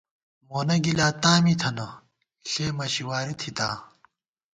مونہ گِلا تاں می تھنہ ، ݪے مَشی واری تھِتاں